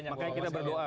makanya kita berdoa pak